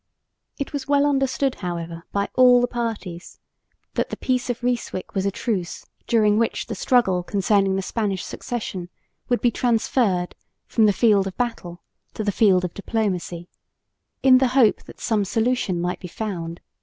It was well understood, however, by all the parties that the peace of Ryswyck was a truce during which the struggle concerning the Spanish Succession would be transferred from the field of battle to the field of diplomacy, in the hope that some solution might be found.